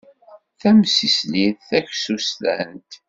Tamsislit tagsusrant.